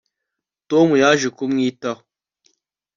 tom yaje kumwitaho